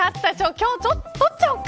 今日、取っちゃおうか。